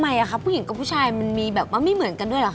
อะคะผู้หญิงกับผู้ชายมันมีแบบว่าไม่เหมือนกันด้วยเหรอค